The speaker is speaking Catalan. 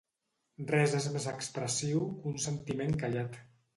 Res és més expressiu que un sentiment callat.